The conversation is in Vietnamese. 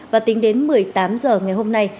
và tính đến một mươi tám h ngày hôm nay